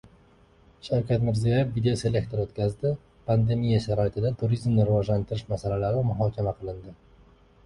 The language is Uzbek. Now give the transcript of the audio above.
Shavkat Mirziyoyev videоselektor o‘tkazdi: pandemiya sharoitida turizmni rivojlantirish masalalari muhokama qilindi